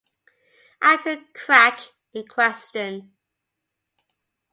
Acucrack in question.